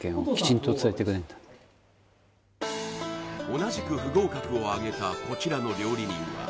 同じく不合格をあげたこちらの料理人はした